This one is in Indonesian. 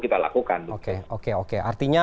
kita lakukan oke oke oke artinya